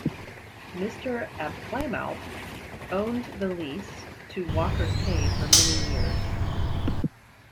Mr. Abplanalp owned the lease to Walker's Cay for many years.